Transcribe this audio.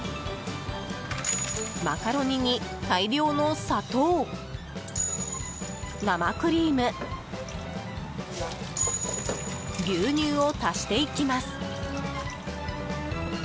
マカロニに大量の砂糖生クリーム、牛乳を足していきます。